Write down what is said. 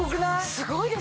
すごいですよね！